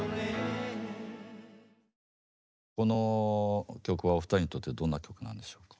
この曲はお二人にとってどんな曲なんでしょうか？